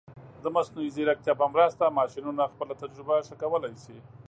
د مصنوعي ځیرکتیا په مرسته، ماشینونه خپله تجربه ښه کولی شي.